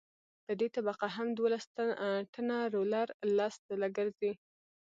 په دې طبقه هم دولس ټنه رولر لس ځله ګرځي